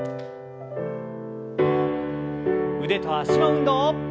腕と脚の運動。